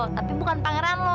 tapi bukan pangeran lo